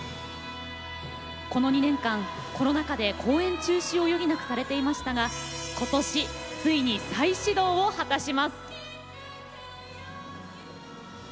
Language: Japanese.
この２年間、コロナ禍で公演中止を余儀なくされていましたがことしついに再始動を果たします。